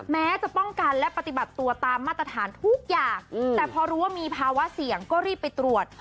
แม้จะป้องกันและปฏิบัติตัวตามมาตรฐานทุกอย่างแต่พอรู้ว่ามีภาวะเสี่ยงก็รีบไปตรวจ